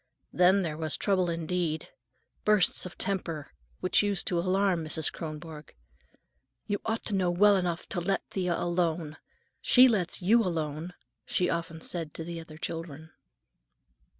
Then there was trouble indeed: bursts of temper which used to alarm Mrs. Kronborg. "You ought to know enough to let Thea alone. She lets you alone," she often said to the other children.